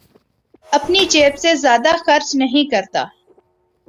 اپنی جیب سے زیادہ خرچ نہیں کرتا